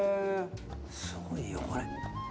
すごいよこれ。